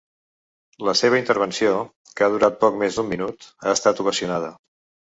La seva intervenció, que ha durat poc més d’un minut, ha estat ovacionada.